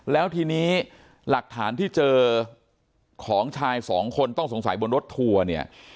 แล้วทีนี้หลักฐานที่เจอของชายสองคนต้องสงสัยบนรถทัวร์เนี่ย